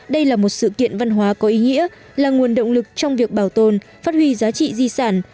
đây là một sự kiện văn hóa có ý nghĩa là nguồn động lực trong việc bảo tồn phát huy giá trị di sản